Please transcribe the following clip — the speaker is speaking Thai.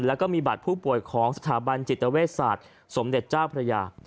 แล้วก็มีบัตรผู้ป่วยของสถาบันจิตเวชศาสตร์สมเด็จเจ้าพระยา